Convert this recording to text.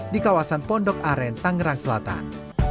di kawasan pondok aren tangerang selatan